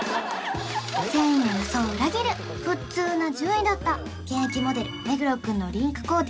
全員の予想を裏切るふっつな順位だった現役モデル目黒くんのリンクコーデ